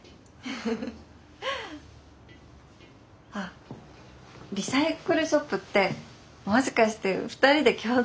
あリサイクルショップってもしかして２人で共同経営とか？